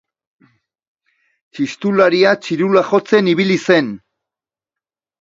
Txistularia txirula jotzen ibili zen.